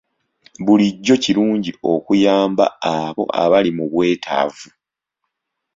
Bulijjo kirungi okuyamba abo abali mu bwetaavu.